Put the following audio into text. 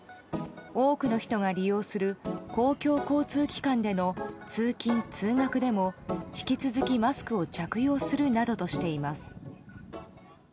多くの人が利用する公共交通機関での通勤・通学でも引き続きマスクを着用するなどしています。